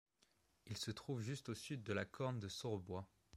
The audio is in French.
Il se trouve juste au sud de la Corne de Sorebois.